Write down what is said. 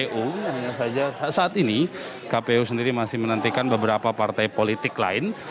hanya saja saat ini kpu sendiri masih menantikan beberapa partai politik lain